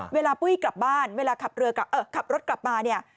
เวลาปุ้ยกลับบ้านเวลาขับรถกลับมา